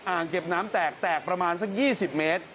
เก็บน้ำแตกแตกประมาณสัก๒๐เมตร